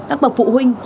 các bậc phụ huynh